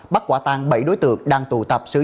bắt quả tăng bảy đối tượng đang tụ tập